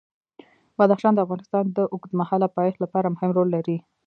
بدخشان د افغانستان د اوږدمهاله پایښت لپاره مهم رول لري.